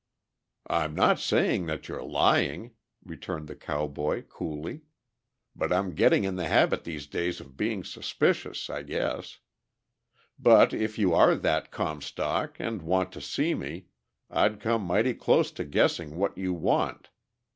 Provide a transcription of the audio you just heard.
"I'm not saying that you are lying," returned the cowboy coolly. "But I'm getting in the habit these days of being suspicious, I guess. But if you are that Comstock and want to see me, I'd come mighty close to guessing what you want.